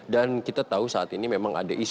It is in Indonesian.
dan kita tahu saat ini memang ada isu